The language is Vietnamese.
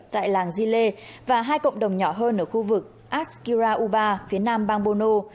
tại làng chile và hai cộng đồng nhỏ hơn ở khu vực askira uba phía nam bang bono